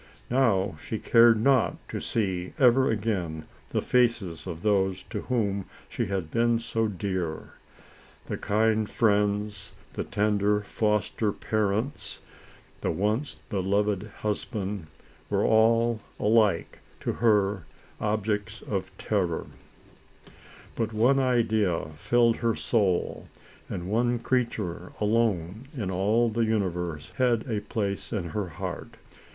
She now cared not to see ever again the faces of those to whom she had been so dear. The kind friends, the tender foster parents, the once beloved husband, were all alike to her objects of terror. 110 ALICE ; OR, THE WAGES OF SIN. But one idea filled her soul, and one creature alone, of all the universe, had a place in her heart.